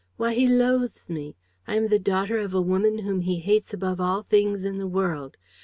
Why, he loathes me! I am the daughter of a woman whom he hates above all things in the world.